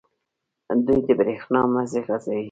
دوی د بریښنا مزي غځوي.